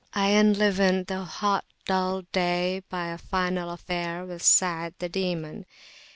I enlivened the hot dull day by a final affair with Sa'ad the Demon.